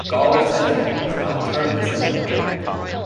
Gawler Central is now the terminus of the line.